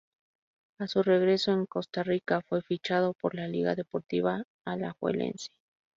A su regreso en Costa Rica, fue fichado por la Liga Deportiva Alajuelense.